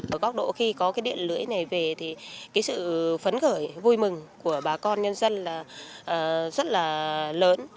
ở góc độ khi có cái điện lưới này về thì cái sự phấn khởi vui mừng của bà con nhân dân là rất là lớn